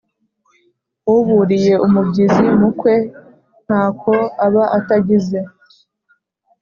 Uburiye umubyizi mu kwe ntako aba atagize.